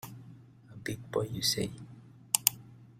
A big boy, you say?